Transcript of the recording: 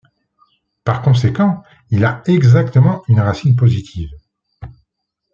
Par conséquent, il a exactement une racine positive.